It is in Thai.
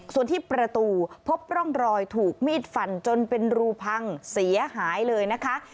ส่วนที่ประตูพบร่องรอยถูกมีดฟันจนเป็นรูพังเสียหายเลยนะคะ